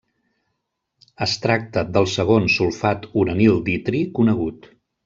Es tracta del segon sulfat uranil d'itri conegut.